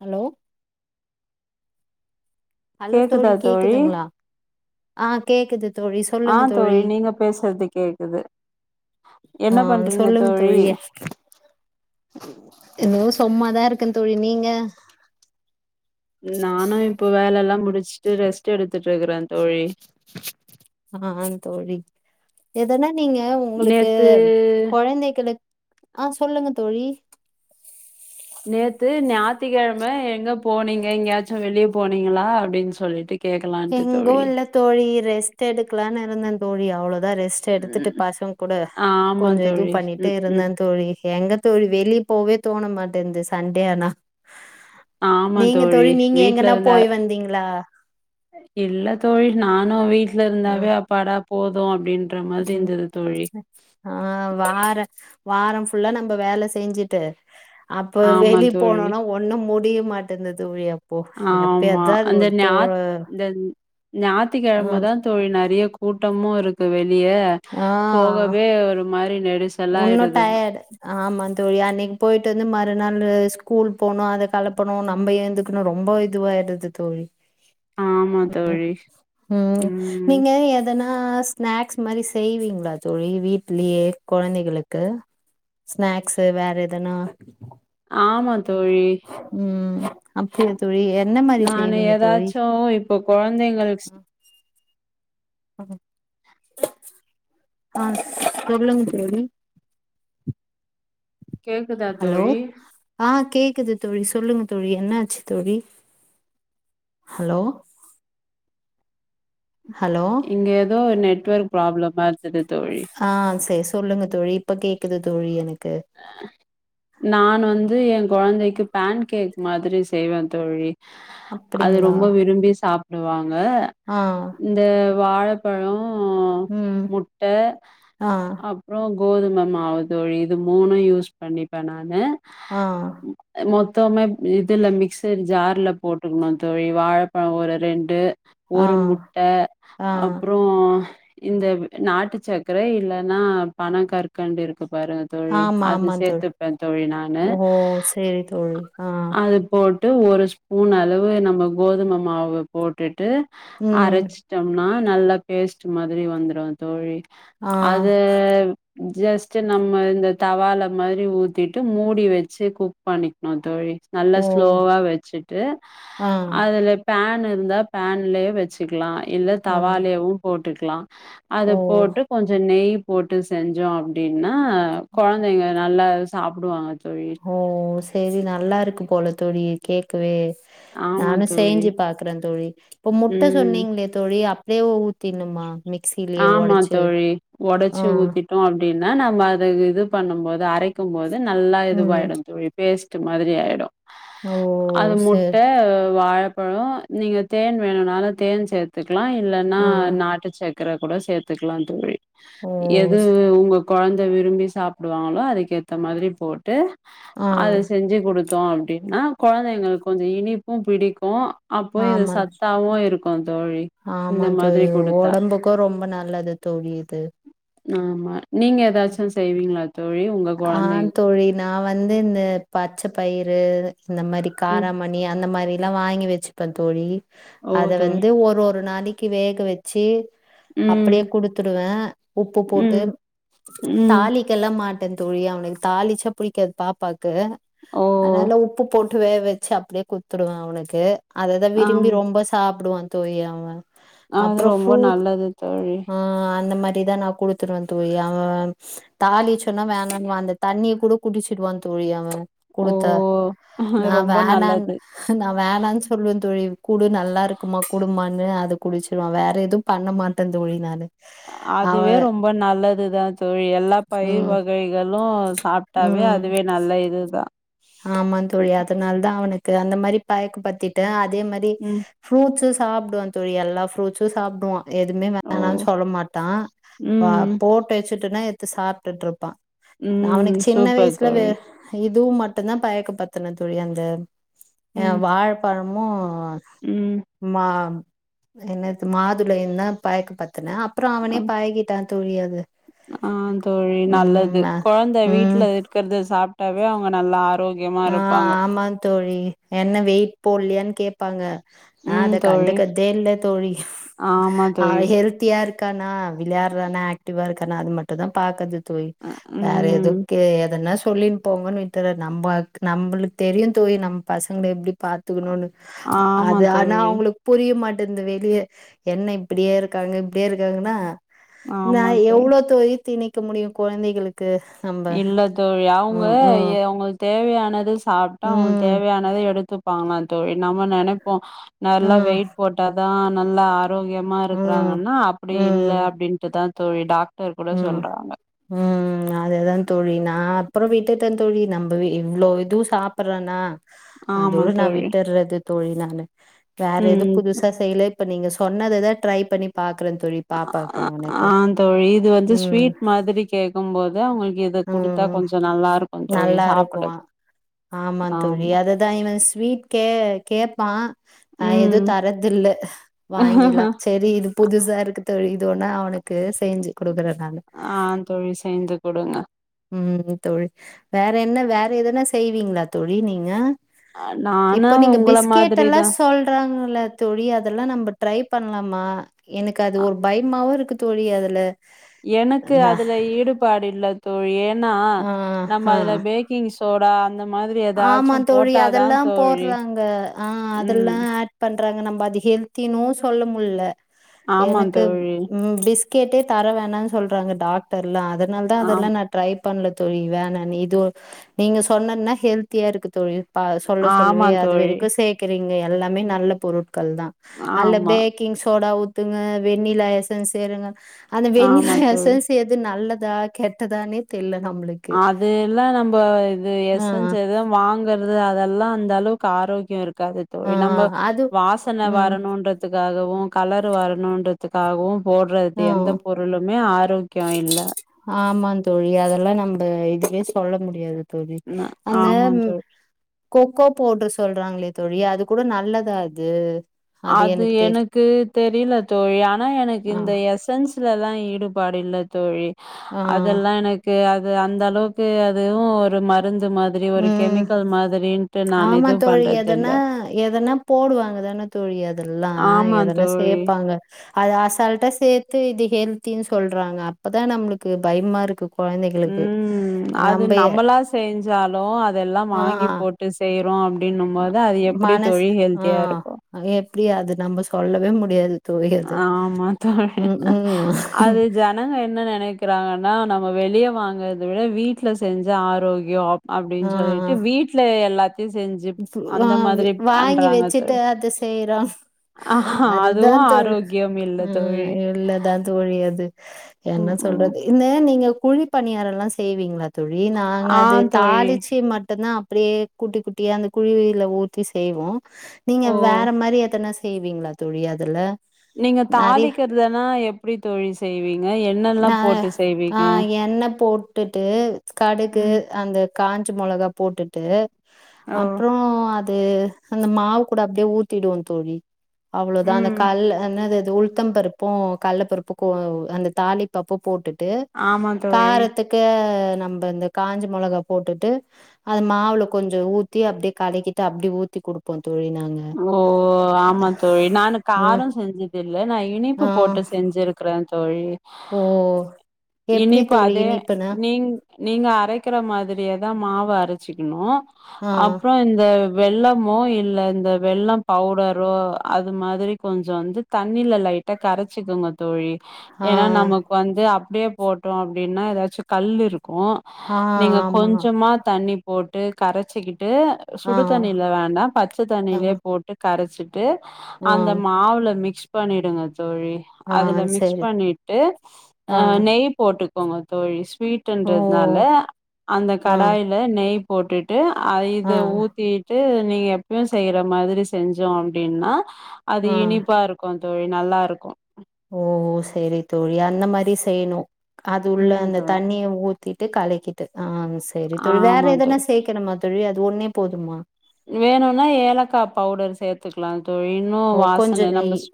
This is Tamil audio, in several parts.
ஹலோ ஹலோ தோழி கேக்குதுங்களா ஆ கேக்குது தோழி ஆ சொல்லுங்க தோழி நீங்க பேசுறது கேக்குது ஆ என்ன பண்றீங்க சொல்லுங்க தோழி எதுவும் சொம்மாதா இருக் கேன் தோழி நீங்க எல்லா முடிச்சிட்டு ரெஸ்ட்டு எடுத்துட்டு இருக்கறே தோழி ஆ தோழி எதனா நீங்க உங்களுக்கு நேத்து கொழந்தைகளுக் ஆ சொல்லுங்க தோழி நேத்து ஞாயித்திக்கெழம எங்க போனீங்க எங்கேயாச்சும் வெளிய போனீங்களா அப்டின் சொல்லிட்டு கேக்கலான்ட்டு தோழி எங்கவும் இல்ல தோழி ரெ ஸ்ட்டு எடுக்கலான்னு இருந்தேன் தோழி அவ்ளோ தா ரெஸ்ட்டு எடுத்துட்டு ம் பசங்க கூட ஆமா கொஞ்சம் இது தோழி பண்ணிட்டே ம் இருந்தே ம் தோழி எங்க தோழி வெளிய போவே தோண மாட்டேந்து சண்டே ஆனா ஆமா நீங்க தோழி நீங்க வீட்ல எங்கன்னா இருந்தா போய் வந்தீங்களா இல்ல தோழி நானும் வீட் ல ம் இருந்தாவே அப்பாடா போதும் அப்டின் ம் ஆ வார வாரம் ஃபுல்லா நம்ப வேல செஞ்சிட்டு அப்ப ஆமா வெளிய தோழி போனோனா ஒன்னு மு டிய மாட்டேந்து தோழி அப் ஆமா அந்த ஞா இந்த ஆ ஞாத்திக்கெழம தா தோழி நறையா கூட்டமு இருக்கு வெ ளிய போகவே ஒரு மாரி நெ உன்னும் டயர்ட் ஆமா தோழி அன்னைக்கு போயிட்டு வந்து ம றுநாள்ல ஸ்கூல் போனும் அத கெலப்பனும் நம்ம ஏந்துக்கணும் ரொம்ப இதுவாயிடுது தோழி ஆமா தோழி ம் நீங்க எதனா ஸ்நாக்ஸ் இந்த மாரி செய்வீங்களா தோழி வீட்லயே கொழந்தைகளுக்கு ஸ்நாக்ஸு வேற எதனா ஆமா தோழி அப்பே நானு எதாச்சு இப்ப கொழந்தைங்களு ம் ஆ சொல்லுங்க தோழி கேக்குதா தோழி குது தோழி சொல்லுங்க தோழி என்னாச்சு தோழி ஹலோ ஹலோ இங்க எதோ நெட் வொர்க் ப்ராப்ளம் மார் தெது தோழி ஆ செரி சொல்லுங்க தோழி இப்ப கேக்குது தோழி எனக் நான் வந்து எ கொழந்தைக்கு பேன் கேக் மாதிரி செய்வே தோழி அது அப்டிங்களா ரொம்ப விரும்பி சாப் புடுவா ங்க ஆ இந்த வாழப்பழொ ம் முட்ட ஆ அப்றொ கோதும மாவு தோழி இது மூணு யூஸ் பண்ணிப்பே நானு ஆ மொத் தம இதுல மிக்சர் ஜார்ல போட்டுக்கனு தோழி வாழப்பழொ ஒரு ரெண்டு ஆ ஒரு முட்ட ஆ அப்றோ இந்த நாட்டுச்சக்கர இல்லனா பனங் கற்கண்டு இருக்கு பாரு தோழி ஆமா அது ஆமா தோழி சேத்துப்பே தோழி நானு ஓ செரி தோழி ஆ அது போட் டு ஒரு ஸ்பூன் அளவு நம்ம கோதும மாவு போட்டுட் டு ம் அரச்சுட்டம்னா நல்லா பேஸ்ட்டு மாதிரி வந்துரு தோழி ஆ அத ஜஸ்ட்டு நம்ம இந்த தவால மாரி ஊத்திட்டு மூடி வச்சு குக் பண்ணிக்னு தோழி நல்லா ஓ ஸ்லோவா வச்சுட்டு ஆ அதுல பேனு இந்த பேன்லயே வச்சிக்கிலாம் இல்ல ஆ தவாலேவும் போட் ட்டுக்கலா அத ஓ போட்டு கொஞ்சோ நெய் போட்டு செஞ்சோம் அப்டின்னா கொழந்தைங்க நல்லா சாப்டுவாங்க தோழி ஓ செரி நல்லா இருக்கும் போல தோழி கேக்கவே ஆமா நானும் தோழி செய்ஞ்சி பாக்கறே தோழி இப்ப முட்ட ம் சொன்னீங்ளே தோழி அப் தேவு ஊத் ஆமா தோழி ஆ ஒடைச்சி ஊத்திட்டோ அப்டின் னா நம்ம அத இது பண்ணும் போது அரைக்கமோது து நல்லா ம் இதுவாயிடம் தோழி பேஸ்ட் டு மாதிரி ஆயிடும் ஓ அது முட்ட சேர் வாழப் பழம் நீங்க தேன் வேணுனாலு தேன் சேத்து க்கலாம் இல்லன்னா ஆ நாட்டு சக் கர கூட சேத்துக்கலாம் தோழி ஓ எதுவு ச- உங்க கொழந்த விரும்பி சாப்டுவாங்களோ அதுக்கேத்த மாதிரி போட்டு ஆ அது செஞ்சி குடுத் தோம் அப்டின்னா கொழந்தைங்களுக்கு கொஞ்சம் இனிப்பும் பிடிக்கும் அப்போ இது ஆமா சத்தாவும் இருக்கு தோழி இந்த மாதிரி து ஒடம்புக்கும் ரொம்ப நல்லது தோழி இது ஆமா நீங்க எதாச்சும் செய்வீங்களா தோழி? உங்க ஆ குழந்தை தோழி நா வந்து இந்த பச்ச பயிறு இந்த மாரி ம். காராமணி அந்த மாரி எல்லா வாங்கி வச்சுப்பே தோழி ஓ! அது தோழி. வந்து ஒரு ஒரு நாளைக் கி வேக வச்சு ம், அப்டியே குடுத்துடுவே உப்பு போட்டு ம், ம். தாளிக்கல்லா மாட் காது தோழி அவனுக் தாளிச்சா புடிக்காது பாப்பாக் கு ஓ! அதனால உப்பு போட் வேவ வச்சு அப்டியே குத்துடுவே அவனுக்கு அததா. விரும்பி ஆம். ரொம்ப சாப்டுவோ தொய்யாம அது ரொம்ப நல்லது தோழி ஆ அந்த மாரிதா நா குடுத்துடுவ தோழி அவ ஸ் தாளிச் வேணான்னுவா அந்த தண்ணிய கூட குடிச்சிடுவா தோழி அவன் ஓ! குடுத்த நா ரொம்ப வேணான் நல்லது. நா வேணான் சொல்லுவே தோழி குடு நல்லா இருக்குமா குடுமான்னு அத குடிச்சிருவா வேற எதுவு பண்ண மாட்டே தோழி நானு அவ அதுவே ரொம்ப நல்லதுதா தோழி எல்லா பயிர் ம் வ கைகளு சாப்ட்டாவே ம் அதுவே நல்ல இது வ ஆமா தோழி அதனால தா அவனுக்கு அந்த மாரி பயக்க படுத்திட்ட அ அதே மாரி ம். ஃப்ரூட்ஸ் ஜூஸ் சாப்டுவா தோழி எல்லா ஃப்ரூட்சும் சாப்டுவா எதுமே ஓ! வேணான் சொல்ல மாட்டா வ ம், போட்டு வச் ட்டுடனா எத்து சாப்ட்டுட்டு இருப்பா அவனுக்கு ம். சின்ன சூப்பர் வயசுல வே தோழி. இது இது மட் ட்டு்தா பயக்க பத்தின தோழி அந்த ஆ ம், வாழபழம் மோ ம். மாம் என்னது மாதுளயுதா பயக்க பத்தன ப்ற அவனே ஆ. பயகிட்டா தோழி அது ஆ தோழி நல்லது ம் கொழந்த ம் வீட்ல இருக்கறது சாப்ட்டாவே அவு ங்க நல்லா ஆரோக்கியமா ஆ இருப்பாங்க ஆமா தோழி என்ன வெயிட் போலயான்னு கேப் பாங்க நா ம் அத தோழி கண்டுக்கதே இல்ல தோழி ஆமா அவ தோழி ஹெல்த்தியா இருக் கானா விளையாடறானா ஆக்டிவா இருக்கானா அது மட்டும் தான் பாக்கது தோழி அ வேற ம் எதுக்கே எதனா சொல்லின் போங்கன் விட்டறது நம்ப கு நம்பளுக்கு தெரியும் தோழி நம்ம பசங்கள எப்டி பாத்துக்குணும்னு ஆமா அது ஆனா தோழி அவுங்களுக்கு புரிய மாட் டேந்து வெளிய என்ன இப்டியே இருக்காங்க இப்டியே இருக்காங்கன்னா நா எவ்ளோ தோழி திணிக் க்க முடியும் கொழந்தைகளுக் இல்ல தோழி அவுங்க ம் ஏ அவுங்களுக்கு தேவையானது சாப்ட்டா அவுங்களுக்கு ம் தேவையானத எடுத்து ப்பாங்க தோழி நம்ம நெனப்போம் நல்லா ம் வெயிட் போட்டா தான் நல்லா ஆ ரோக்கியமா ம் இருக்கறாங்கன்னா அப்டி இல்ல அப்டின்ட்டுதான் தோழி டாக் ம் ம் ம் அதேதா தோழி நான் அப்பறம் விட்டுட்டே தோழி நம்பவே இவ்ளோ இது சாப்பறானா ஆமா அதோட நா தோழி விட்டறது தோழி நானு வேற எது ம் புதுசா செய்யல இப்ப நீங்க சொன்னதா ட்ரை பண்ணி பாக்குறன் தோழி பாப்பாக்கு ஆ அவனுக்கு தோழி இது வந்து ம் ஸ்வீட் மாதிரி கேடக்கும்போது அவங்களுக்கு இத குடுத்தா ம் கொஞ்சம் நல்லா இருக்கும் தோழி நல்லா இருக்கு சாப்பிட ஆமா பா நா ஏதும் ம் தரதில்லை வாங்கிலாம் சரி இது புதுசா இருக்கு தோழி இன்னோனு அவனுக்கு செய் ஆஹ தோழி செஞ்சு குடுங்க உம் தோழி வேற என்ன வேற எதனா செய்வீங்களா தோழி நீங்க நானு இப்போ நீங்க உங்கள பிஸ்கெட் மாதிரிதா எல்லாம் சொல்றாங்கள தோழி அதெல்லாம் நம்ம ட்ரை பண்ணலாமா எனக்கு அது ஒரு பயமாவு இருக்கு தோழி அதுல எனக்கு நா அதுல ஈடுபாடு இல்ல தோழியே ஆன ஆ நம்ம அதுல பேக்கிங் சோடா அந்த மாதிரி ஏதாச்சு ஆமந்தோழி போட்டாதா அதெல்லாம் தோழி போடுறாங்க ஆஹ் ம் அதெல்லாம் ஆட் பண் றாங்க நம்ம அது ஹெல்த்தினும் சொல்ல முல்ல ஆமா எனக்கு தோழி உம் பிஸ் கேட்டே தர வேணாம்னு சொல்றாங்க டாக்டர்ல அத அதுனால தான் ஆம் அதெல்லாம் நான் ட்ரை பண்ணலது தொழி வேணனு இது நீங்க சொன்னன ஹெல்தியா இருக்கு தோழி சொல்ல ஆமா சொல்லவே அது தோழி வரைக்கும் சேக்குறீங்க ங்க எல்லாமே நல்ல பொருட் கள்தான் அல்ல ஆமா பேக்கிங் சோடா உ த்துங்க வெண்ணிலா யசன் சேருங்க அந்த வெண்ணிலா ஆமா தோழி எசல்ஸ் எது நல்லது நல்லதா கெட்டதானே தெரில அது எல்லாம் நம்ம இது ஆ எசன்ஸ் எதுதா வாங்கறது அதெல்லாம் அந்த அளவுக்கு ஆரோக்கியம் இருக்கு து ஆ தோழி நம்ம அது வாசனை ம் வரணும்ன்றதுக்காக கலர் வரணும்ன்றதுக்காகவும் போடுறது ஆ எந்த பொருளுமே ஆரோக்கியம் இல்ல ஆமா தோழி அதெல்லாம் நம்ம இதுவேே சொல்ல முடியாது ந அந்த ஆமா தோழி கொக்கோ போட சொல்றாங்களே தோழியா அது கூட நல்லதா அது அது எனக்கு தெரியல தோழி ஆனா எனக்கு இரு ஆ இந்த சன்ஸ்லல்ல தான் ஈடுபாடு இல்ல தோழி ஆ அதல்லாம் எனக்கு அந்த அளவுக்கு அதுவும் ஒரு மருந்து மாதிரி ஒரு உம் கெமிக்கல் மாதிரின்ட்டு நான் ஆமா இது தோழி பண்றது இல்ல எதன்னா எதனா போடுவாங்கதானே தோழி அதெல்லாம் ஆமா எதனா தோழி சேர்ப்பாங்க அது அசால்ிட்டா சே இது ஹெல்தினு சொல்றாங்க அப்பதான் நம்மளுக்கு பயமா இருக்கு கொழந்தைகளுக்கு உம் அது நம்ப நம்மளா செஞ்சாலும் அதெல்லாம் ஆ வாங்கி போட்டு செய் ரும் அப்படி மனசு ஆஹ் இருக்கு எப்படி அது நம்ம சொல்லவே முடிய [inaudible] ஆமா தோழி ம் அது ஜனங்கள் என்ன நினைக்க இருக்காங்கன்னா நம்ம வெளியே வாங்கறதை விட வீட்டுல செஞ்ச ஆரோக்கியம் அப்படின்னு சொல்லிட்டு வீட்டுல எல்லாத்த ஆஹ் வாங்கி பண்றாங்க வச்சுட்டு தோழி அதை செய்யறோம் ஆஹா அதுவு அதுதான் ஆரோக்கியம் இல்ல உஹம் தோழி உள்ளல்லதான் தோழியது என்ன ம் ம் சொல்றது இந்த நீங்க குழி பணியாரெல்லாம் செய்வீங்களா தோழி நாங்க ஆ அது தோழி தாளிச்சு மட்டும்தான் அப்படியே குட்டடி குட்ட சுட்டிய அந்த குழில ஊத்தி செய்வோம் நீங்க ஓ வேற மாதிரி ஏத்தன செய்வீங்களா தோழி அதுல நீங்க நெறைய தாளிக்கற்தனா எப்டி தோழி செய்வீ நா ஆ எண்ண போட்டுட்டு கடுகு ம் அந்த காஞ்ச மொளகா போட்டு ட்டு ஓ அப்றோ அது அந்த மாவு கூட அப்டியே ஊத்திடுவோ தோழி அவ்ளொதா அந்த ம் கல்ல என்னத து உளுத்தம் பருப்பு‌ கல்ல பருப்புக்கு அந்த தாளிப்பப்ப போட்டு ட்டு ஆமா தோழி காரத்துக்கு நம்பந்த காஞ்ச மொளகா போட்டுட்டு அது மாவுல கொஞ்சொ ஊத்தி அப்டே கலக்கிட்டு அப்டி ஊத்தி குடுப்போ தோழி நாங்க ஓ ஆமா தோழி நானு ம். காரம் செஞ்சதில்ல நா இனிப்பு ஆ போட்டு செஞ்சிருக்கிறே தோ ழி ஓ எப்டி தோழி அதே இனிப்புனா நீங் நீங்க அரைக்கிற மாதிரியே தா மாவு அரச்சிக்கனு ஆ அப்றொ இந்த வெல்லமோ இல்ல இந்த வெல்லம் பவுடரோ அது மாதிரி கொஞ்ச வந்து தண்ணில லைட்டா கரச்சிக்கோங்க தோழி ஆ ஏனா நமக்கு வந்து அப் டியே போட்டோ அப்டின்னா எதாச்சு கல் இரு க்கு ஆ நீங்க ஆமா கொஞ்சமா தண்ணி போட்டு கரச்சிக்கிட் டு ஆ சுடு தண்ணிவ வேண்டா பச்ச ஆ தண்ணிலே கரச்சு ட்டு ஆ அந்த மாவுல மிக்ஸ் பண்ணிடுங்க தோழி ஆ அதுல மிக்ஸ் சரி பண்ணிட்டு ஆ ஆ‌ நெய் போட்டு கோங்க தோழி ஓ ஸ்வீட்டுன்றதுனால அந்த ஆ கடாய்ல நெய் போட்டு டு அ இத ஆ ஊதிட்டு நீங்க எப்பியு செய்யற மாரி த் செஞ்சோ அப்பிடின்னா அது ஆ இனிப்பா இருக்கு தோழி நல்லா இருக்கோ ஓ சரி தோழி அந்த மாரி செய்யணு அது உள்ள ம் அந்த தோழி தண்ணிய ஊத்தி ட்டு கலக்கிட்டு ஆ சேரி தோழி வேற ஆமா எதனா தோழி சேக்கனும்மா தோழி அ ஒன்னே போதுமா வேணுன்னா ஏலக்கா பவுடர் சேத்துக்கலா தோழி இன்னு ஓ கொஞ்ச வாசன நம்ம நெய் ஸ்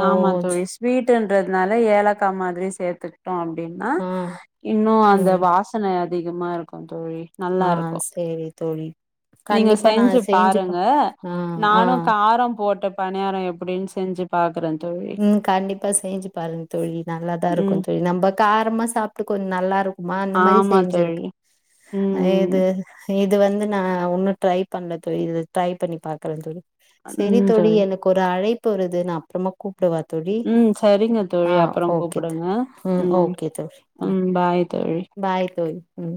ஓ ஆமா ச- தோழி ஸ்வீட் ட்டரதுனால ஏலக்கா மாதிரி சேர்த்து ட்டோ அப்பிடின்னா ஆ இன்னு அந்த ம் வாசன அதிகமா இருக்கு தோழி ஆ நல்லா சேரி தோழி கண்டிப் செஞ்சி பாருங்க நானு ஆ காரம் போட்டு பணியாரோ எப்பிடின்னு செஞ்சி பாக்குறே தோழி ம் கண்டிப்பா செஞ்சி பாருங்க தோழி நல்லாதா இருக்கு ம் தோழி நம்ம காரமா சாப்பிட்டு கொஞ் நல்லா இருக்கு மா அந்த மாரி ஆமா தோழி செஞ்சிருக்கு அ ஏது ம் இது வந்து நா ஒன்னும் ட்ரை பண்ணல தோழி இது ட்ரை பண்ணி பாக்கறே தோழி சேரி தோழி எனக்கு ஒரு அழைப் ப்பு வருது நா அப்புறமா ம் சரிங்க தோழி அப்புறோ ஓகே தோழி. கூப்புடுங்க ம் ஓகே தோழி ம் பாய் தோழி பாய் தோழி ம்